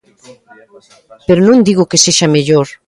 Pero non digo que sexa mellor.